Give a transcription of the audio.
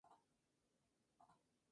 El pico es gris azulado.